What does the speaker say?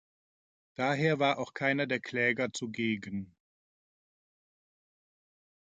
Daher war auch keiner der Kläger zugegen.